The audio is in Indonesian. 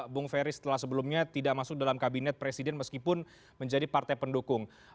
bung ferry setelah sebelumnya tidak masuk dalam kabinet presiden meskipun menjadi partai pendukung